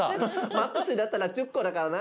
マックスだったら１０個だからな。